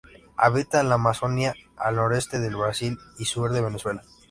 Habita en la Amazonia al noreste de Brasil y sur de Venezuela.